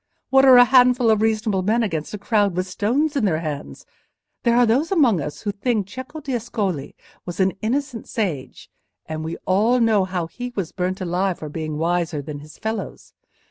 What are a handful of reasonable men against a crowd with stones in their hands? There are those among us who think Cecco d'Ascoli was an innocent sage—and we all know how he was burnt alive for being wiser than his fellows.